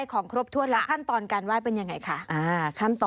ต้องกางล่มนะฮะ